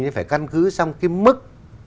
nó phải căn cứ sang cái mức